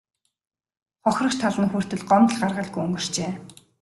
Хохирогч тал нь хүртэл гомдол гаргалгүй өнгөрчээ.